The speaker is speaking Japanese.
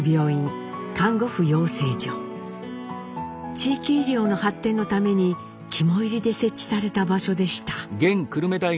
地域医療の発展のために肝煎りで設置された場所でした。